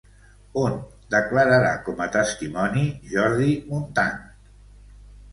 On declararà com a testimoni Jordi Muntant?